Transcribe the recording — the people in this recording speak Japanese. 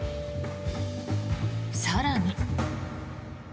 更に。